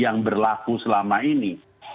yang berlaku selama ini